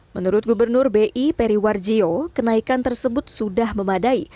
menurut gubernur bi periwarjio kenaikan tersebut sudah memadai